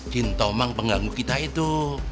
jin tomang pengganggu kita itu